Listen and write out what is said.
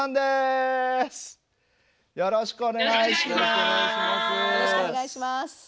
よろしくお願いします。